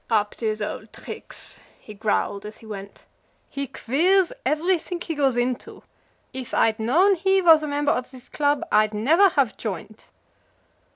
"Up to his old tricks," he growled as he went. "He queers everything he goes into. If I'd known he was a member of this club I'd never have joined."